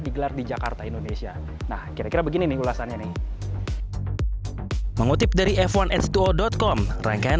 digelar di jakarta indonesia nah kira kira begini nih ulasannya nih mengutip dari f satu h dua co com rangkaian